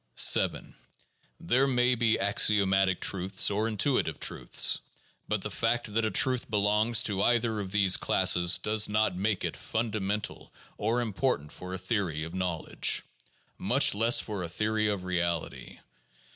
7. There may be axiomatic truths or intuitive truths. But the fact that a truth belongs to either of these classes does not make it fundamental or important for a theory of knowledge, much less for a theory of reality.